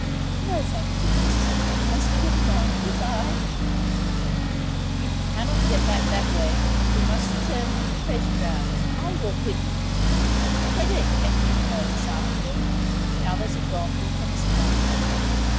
'No, thank you, Miss; I must be getting on. Goodbye.' 'You cannot get back that way, you must return through the pleasure grounds. I'll walk with you. A headache kept me at home this afternoon. The others have gone to a tennis party....